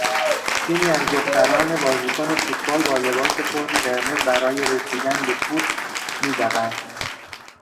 تیمی از دختران بازیکن فوتبال با لباس فرم قرمز برای رسیدن به توپ میدوند.